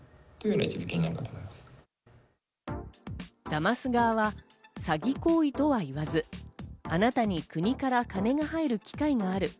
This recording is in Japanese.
だます側は詐欺行為とは言わず、あなたに国から金が入る機会がある。